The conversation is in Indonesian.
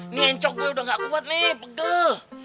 nyencok gue udah gak kuat nih pegel